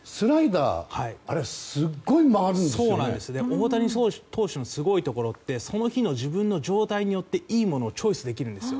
大谷投手のすごいところはその日の自分状態によっていいものをチョイスできるんです。